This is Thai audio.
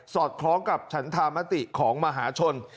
อดคล้องกับฉันธรรมติของมหาชน